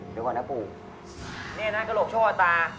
เดี๋ยวก่อนนะปู่นี่นะกระโหลกช่อตา